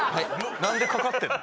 なんでかかってんの？